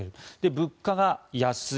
物価が安い。